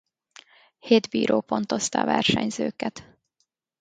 Hét bíró pontozta a versenyzőket.